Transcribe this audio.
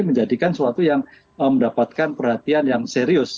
menjadikan suatu yang mendapatkan perhatian yang serius